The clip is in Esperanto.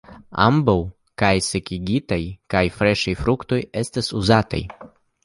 Ambaŭ, kaj sekigitaj kaj freŝaj fruktoj estas uzataj.